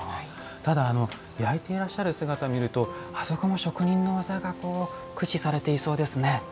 ただ焼いていらっしゃる姿を見るとあそこも職人の技が駆使されていそうですね。